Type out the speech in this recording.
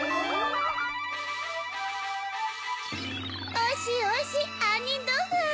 おいしいおいしいあんにんどうふアン！